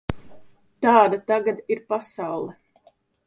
Tāda tagad ir pasaule.